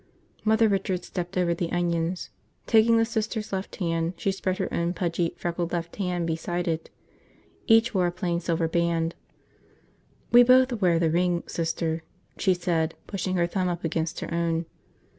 Mother Richard stepped over the onions. Taking the Sister's left hand, she spread her own pudgy, freckled left hand beside it. Each wore a plain silver band. "We both wear the ring, Sister," she said, pushing her thumb up against her own.